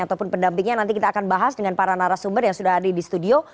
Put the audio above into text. ataupun pendampingnya nanti kita akan bahas dengan para narasumber yang sudah ada di studio